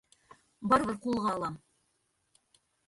Барыбер ҡулға алам.